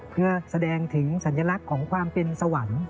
เพื่อแสดงถึงสัญลักษณ์ของความเป็นสวรรค์